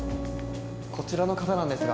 ・こちらの方なんですが。